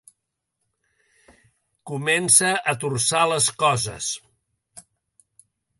Comença a torçar les coses.